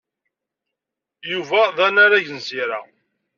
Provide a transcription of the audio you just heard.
Yuba d anarag n Zira.